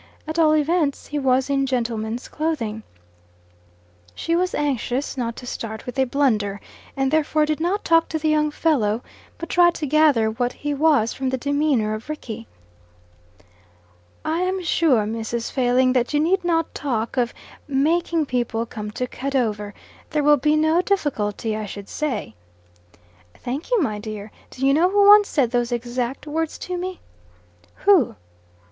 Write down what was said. At all events he was in gentleman's clothing. She was anxious not to start with a blunder, and therefore did not talk to the young fellow, but tried to gather what he was from the demeanour of Rickie. "I am sure, Mrs. Failing, that you need not talk of 'making' people come to Cadover. There will be no difficulty, I should say." "Thank you, my dear. Do you know who once said those exact words to me?" "Who?"